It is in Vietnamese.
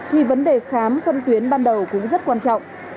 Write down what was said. thì vấn đề khám phân tuyến ban đầu cũng rất quan trọng